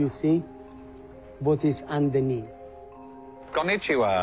こんにちは。